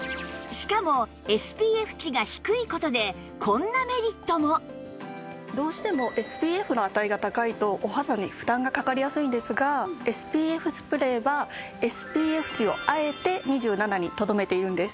しかもどうしても ＳＰＦ の値が高いとお肌に負担がかかりやすいんですが ＳＰＦ スプレーは ＳＰＦ 値をあえて２７にとどめているんです。